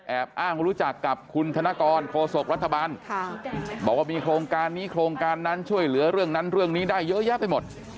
อ้างว่ารู้จักกับคุณธนกรโคศกรัฐบาลบอกว่ามีโครงการนี้โครงการนั้นช่วยเหลือเรื่องนั้นเรื่องนี้ได้เยอะแยะไปหมด